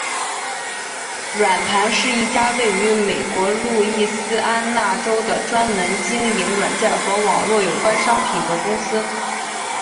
软盘是一家位于美国路易斯安那州的专门经营软件和网络有关商品的公司。